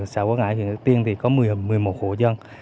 xã quảng ngãi huyện đầu tiên thì có một mươi một hộ dân